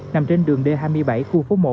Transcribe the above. nằm trên đường d hai mươi bảy khu phố một